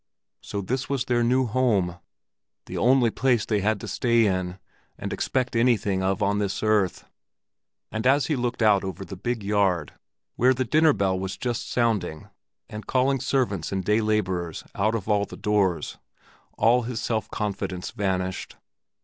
So this was their new home, the only place they had to stay in and expect anything of on this earth! And as he looked out over the big yard, where the dinner bell was just sounding and calling servants and day laborers out of all the doors, all his self confidence vanished.